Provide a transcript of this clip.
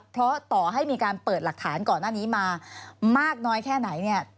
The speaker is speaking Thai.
เพราะต่อให้มีการเปิดหลักฐานก่อนหน้านี้มามากน้อยแค่ไหนเนี่ย